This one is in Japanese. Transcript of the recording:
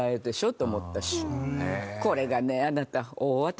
これがねあなた。